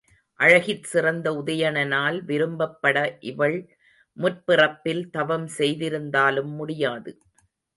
அழகிற் சிறந்த உதயணனால் விரும்பப்பட இவள் முற்பிறப்பில் தவம் செய்திருந்தாலும் முடியாது.